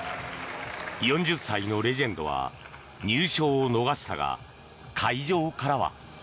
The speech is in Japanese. ４０歳のレジェンドは入賞を逃したが、会場からは。